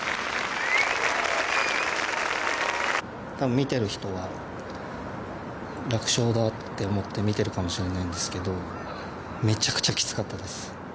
見てる人は楽勝だって思って見ているかもしれないんですけどめちゃくちゃきつかったです。